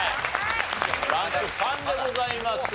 ランク３でございます。